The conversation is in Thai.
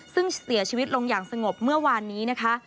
ซึ่งเสียชีวิตลงอย่างสงบเมื่อวานนี้นะคะ